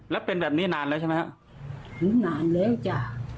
แล้วเป็นแบบนี้นานแล้วใช่ไหมฮะนานแล้วจ้ะ